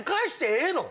ええの？